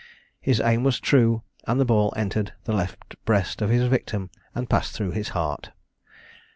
His aim was true, and the ball entered the left breast of his victim and passed through his heart.